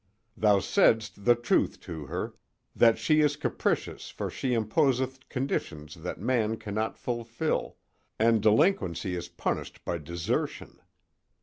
Thou saidst the truth to her, that she is capricious for she imposeth conditions that man cannot fulfill, and delinquency is punished by desertion.